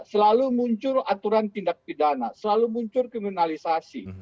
selalu muncul aturan tindak pidana selalu muncul kriminalisasi